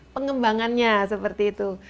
pengembangannya seperti itu